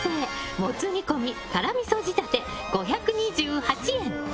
もつ煮込み辛味噌仕立て５２８円。